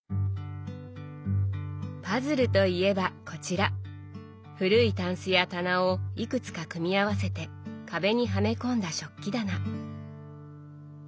パズルといえばこちら古いたんすや棚をいくつか組み合わせて壁にはめ込んだ食器棚。